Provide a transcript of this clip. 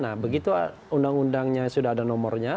nah begitu undang undangnya sudah ada nomornya